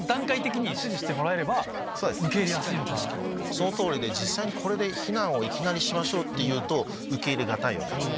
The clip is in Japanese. その通りで実際にこれで避難をしましょうっていうと受け入れ難いわけですね。